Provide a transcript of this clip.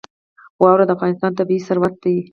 واوره د افغانستان طبعي ثروت دی.